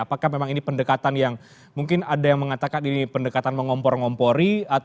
apakah memang ini pendekatan yang mungkin ada yang mengatakan ini pendekatan mengompor ngompori